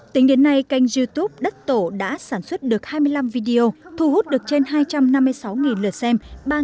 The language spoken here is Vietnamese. tính đến nay kênh youtube đất tổ đã sản xuất được hai mươi năm video thu hút được trên hai trăm năm mươi sáu lượt xem